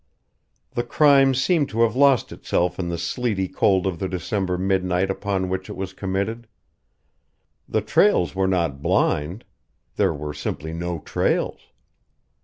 The crime seemed to have lost itself in the sleety cold of the December midnight upon which it was committed. The trails were not blind there were simply no trails.